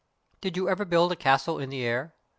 Did you ever build a Castle in the Air?